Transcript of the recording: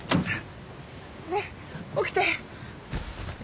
ねえ起きて！